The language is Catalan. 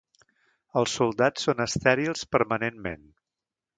Els soldats són estèrils permanentment.